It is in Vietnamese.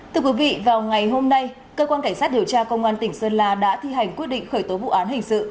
thưa quý vị vào ngày hôm nay cơ quan cảnh sát điều tra công an tỉnh sơn la đã thi hành quyết định khởi tố vụ án hình sự